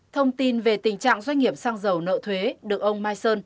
thông tin về tình trạng doanh nghiệp xăng dầu nợ thuế được ông mai sơn